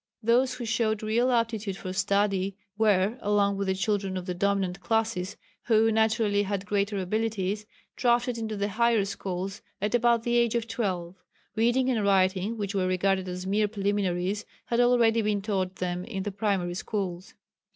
Those who showed real aptitude for study were, along with the children of the dominant classes who naturally had greater abilities, drafted into the higher schools at about the age of twelve. Reading and writing, which were regarded as mere preliminaries, had already been taught them in the primary schools.